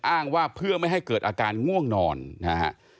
อ้างว่าเพื่อไม่ให้เกิดอาการง่วงนอนนะฮะ